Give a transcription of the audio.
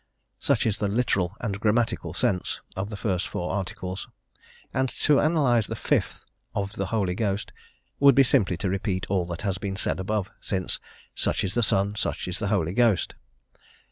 * Such is the "literal and grammatical sense" of the first four Articles, and to analyse the Fifth, "of the Holy Ghost," would be simply to repeat all that has been said above, since "such is the Son, such is the Holy Ghost."